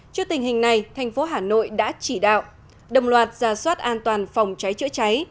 trước tình hình này thành phố hà nội đã chỉ đạo đồng loạt ra soát an toàn phòng cháy chữa cháy